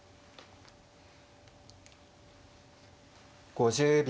５０秒。